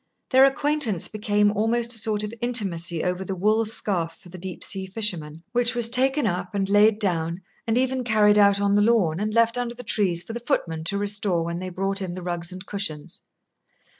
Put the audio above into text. Their acquaintance became almost a sort of intimacy over the wool scarf for the deep sea fisherman, which was taken up and laid down, and even carried out on the lawn and left under the trees for the footmen to restore when they brought in the rugs and cushions.